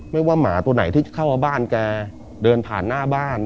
ไม่ว่าหมาตัวไหนที่เข้ามาบ้านแกเดินผ่านหน้าบ้าน